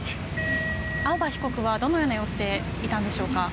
青葉被告はどのような様子でいたんでしょうか。